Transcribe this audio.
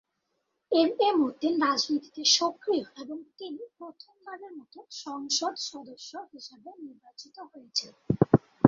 M A Matin রাজনীতিতে সক্রিয় এবং তিনি প্রথম বারের মতো সংসদ সদস্য হিসাবে নির্বাচিত হয়েছেন।